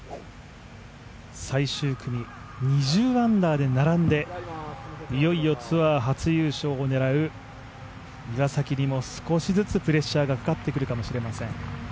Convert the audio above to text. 最終組、２０アンダーで並んでいよいよツアー初優勝を狙う岩崎にも少しずつプレッシャーがかかってくるかもしれません。